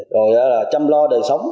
rồi là chăm lo đời sống